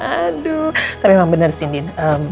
aduh tapi emang bener sih din